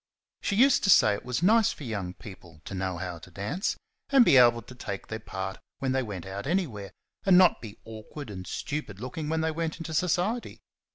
She used to say it was nice for young people to know how to dance, and be able to take their part when they went out anywhere, and not be awkward and stupid looking when they went into society.